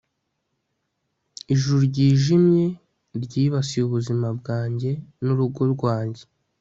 Ijuru ryijimye ryibasiye ubuzima bwanjye nurugo rwanjye